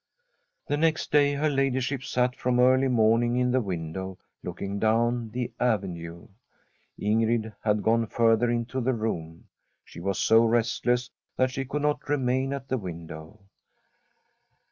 The next day her ladyship sat from early mom From a SfTEDISH HOMESTEAD in^ in the window looking down the avenue. In grid had gone further into the room. She was so restless that she could not remain at the win dow.